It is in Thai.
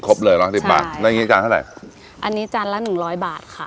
เลยร้อยสิบบาทแล้วอย่างงี้จานเท่าไหร่อันนี้จานละหนึ่งร้อยบาทค่ะ